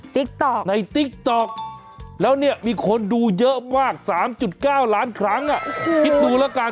ติ๊กต๊อกในติ๊กต๊อกแล้วเนี่ยมีคนดูเยอะมาก๓๙ล้านครั้งคิดดูแล้วกัน